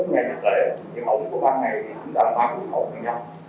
thì qua đánh giá của các nhà nhà trẻ mẫu xét của ba ngày thì chúng ta vẫn đánh giá đáng nhận